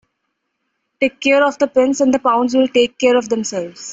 Take care of the pence and the pounds will take care of themselves.